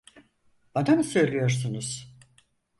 Bana mı söylüyorsunuz?